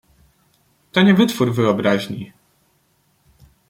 "To nie wytwór wyobraźni!"